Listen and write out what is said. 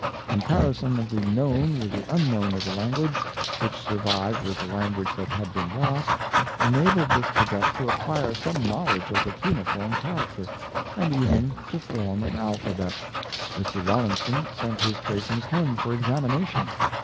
Comparison of the known Ratvlinson — L ayard, 231 with the unknown, of the language which survived with the language that had been lost, enabled this cadet to acquire some knowledge of the cuneiform character, and even to form an alphabet. Mr. Rawlinson sent his tracings home for examination.